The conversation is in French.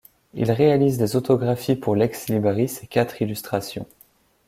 Il réalise des autographies pour l'ex-libris et quatre illustrations.